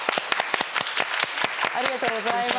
ありがとうございます。